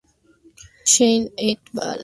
Sheikh et al.